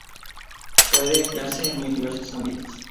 Puede emplearse en muy diversos ámbitos.